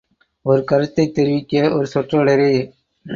ஒரு கருத்தைத் தெரிவிக்க ஒரு சொற்றொடரே